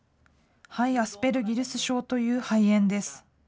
肺アスペルギルス症という肺炎です。